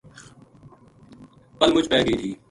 پَل مُچ پے گئی تھی